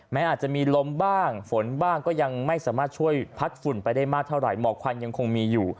แม้อาจจะมีลมบ้างฝนบ้างก็ยังไม่สามารถช่วยพัดฝุ่นไปได้มากเท่าไหร่